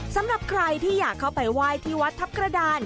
สำหรับใครที่อยากเข้าไปไหว้ที่วัดทัพกระดาน